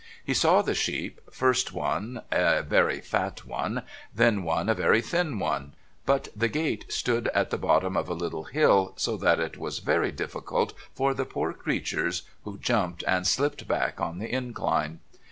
He saw the sheep first one a very fat one, then one a very thin one; but the gate stood at the bottom of a little hill, so that it was very difficult for the poor creatures, who jumped and slipped back on the incline.